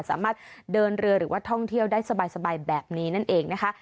สามารถเดินเรือหรือว่าท่องเที่ยวได้สบายแบบนี้นั่นเองนะคะ